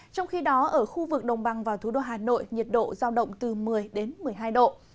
trong khi đó ở khu vực đồng bằng và thủ đô hà nội nhiệt độ giao động từ một mươi đến một mươi hai độ